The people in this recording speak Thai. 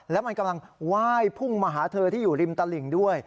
แล้วมันกำลังไหว้พุ่งมาหาเธอที่อยู่ริมตลิ่งด้วย